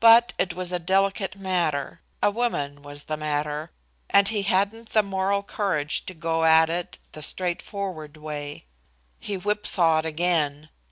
But, it was a delicate matter; a woman was the matter; and he hadn't the moral courage to go at it the straightforward way. He "whip sawed" again.